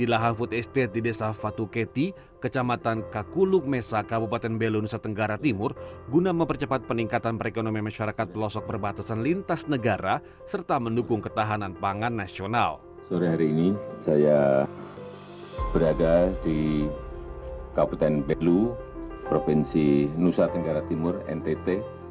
saya berada di kabupaten belu provinsi nusa tenggara timur ntt